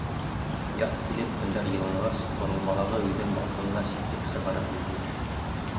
Яҙ килеп, көндәр йылынғас, боролмалағы өйҙөң балконына ситлек сығарып элделәр.